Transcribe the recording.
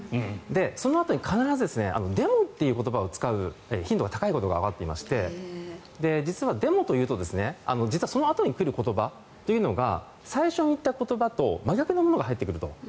そのあとに必ず「でも」という言葉を使う頻度が高いことがわかっていまして実は「でも」と言うとそのあとに来る言葉が最初に言った言葉と真逆のものが入ってくると。